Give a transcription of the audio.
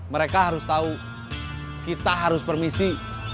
mereka harus tahu kita harus permisi